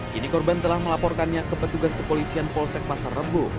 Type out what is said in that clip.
kini korban telah melaporkannya ke petugas kepolisian polsek pasar rebo